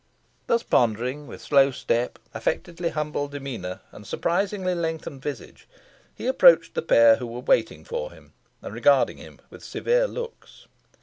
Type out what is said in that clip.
Thus pondering, with slow step, affectedly humble demeanour, and surprisingly lengthened visage, he approached the pair who were waiting for him, and regarding him with severe looks.